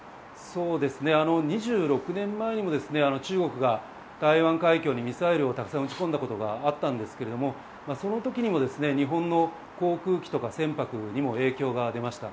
２６年前にも中国が台湾海峡にミサイルをたくさん撃ち込んだことがありましたがその時にも日本の航空機とか船舶にも影響が出ました。